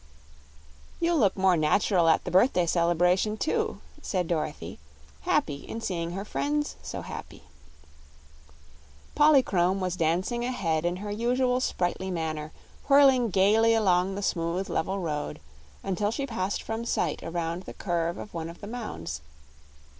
"You'll look more natural at the birthday celebration, too," said Dorothy, happy in seeing her friends so happy. Polychrome was dancing ahead in her usual sprightly manner, whirling gaily along the smooth, level road, until she passed from sight around the curve of one of the mounds.